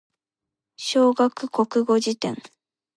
小学国語辞典